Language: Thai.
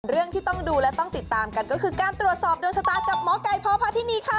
เรื่องที่ต้องดูและต้องติดตามกันก็คือการตรวจสอบโดนชะตากับหมอไก่พพาธินีค่ะ